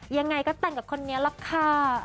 ยังไงก็แต่งกับคนนี้ล่ะค่ะ